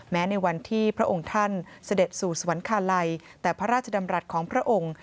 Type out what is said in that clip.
ในวันที่พระองค์ท่านเสด็จสู่สวรรคาลัยแต่พระราชดำรัฐของพระองค์